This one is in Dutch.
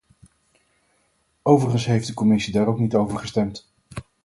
Overigens heeft de commissie daar ook niet over gestemd.